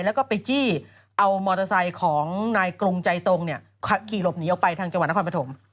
แล้วก็ไปจี้เอามอเตอร์ไซค์ของนายกรงใจตรงเนี่ยขี่หลบหนีออกไปทางจังหวัดนครปฐม